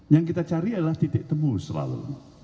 yang kita cari adalah titik temu selalu